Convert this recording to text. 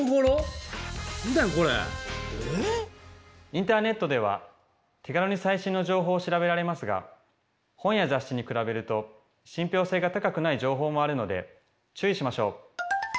インターネットでは手軽に最新の情報を調べられますが本や雑誌に比べると信ぴょう性が高くない情報もあるので注意しましょう。